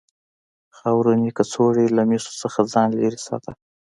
خاورینې کڅوړې له مسو څخه ځان لرې ساته.